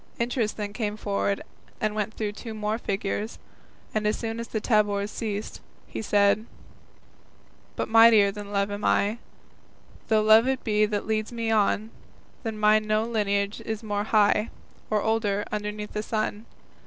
Interest then came forward and went through two more figures, and as soon as the tabors ceased, he said: But mightier than Love am I, Though Love it be that leads me on, Than mine no lineage is more high, Or older, underneath the sun.